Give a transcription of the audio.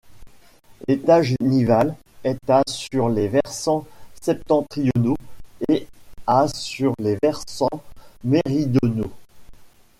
L'étage nival est à sur les versants septentrionaux et à sur les versants méridionaux.